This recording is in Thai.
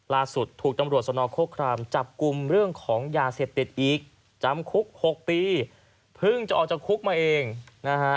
ล่าสุดถูกตำรวจสนโครครามจับกลุ่มเรื่องของยาเสพติดอีกจำคุก๖ปีเพิ่งจะออกจากคุกมาเองนะฮะ